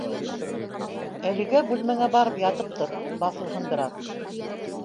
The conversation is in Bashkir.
— Әлегә бүлмәңә барып ятып тор, баҫылһын бер аҙ.